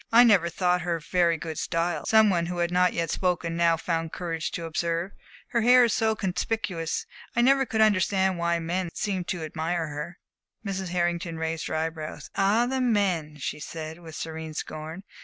"I never thought her very good style," some one who had not yet spoken now found courage to observe. "Her hair is so conspicuous. I never could understand why men seemed to admire her." Mrs. Hartington raised her eye brows. "Ah, the men!" she said, with serene scorn.